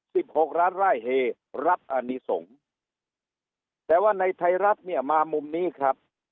หกล้านไร่เฮรัฐอนิสงฆ์แต่ว่าในไทยรัฐเนี่ยมามุมนี้ครับ